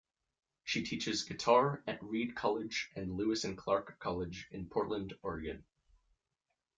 She teaches guitar at Reed College and Lewis and Clark College in Portland, Oregon.